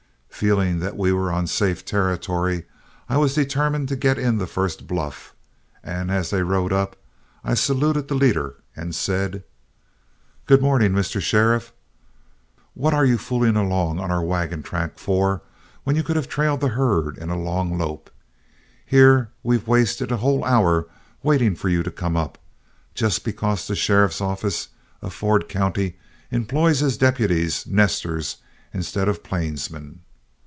Feeling that we were on safe territory, I was determined to get in the first bluff, and as they rode up, I saluted the leader and said: "Good morning, Mr. Sheriff. What are you fooling along on our wagon track for, when you could have trailed the herd in a long lope? Here we've wasted a whole hour waiting for you to come up, just because the sheriff's office of Ford County employs as deputies 'nesters' instead of plainsmen.